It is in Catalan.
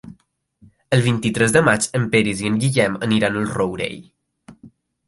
El vint-i-tres de maig en Peris i en Guillem aniran al Rourell.